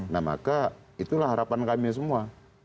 nah maka itulah harapan kami semua